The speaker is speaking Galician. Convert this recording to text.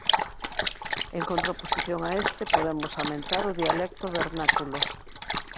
En contraposición a este podemos amentar o dialecto vernáculo.